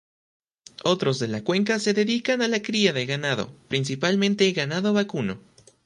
Otros de la cuenca se dedican a la cría de ganado, principalmente ganado vacuno.